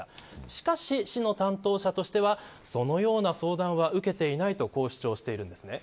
しかし、市の担当者としてはそのような相談は受けていないと主張しているんです。